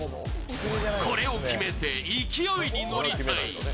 これを決めて勢いに乗りたい。